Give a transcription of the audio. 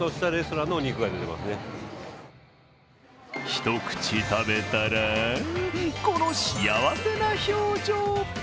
一口食べたら、この幸せな表情。